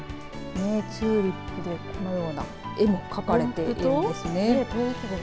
チューリップでこのような絵も描かれているんですね。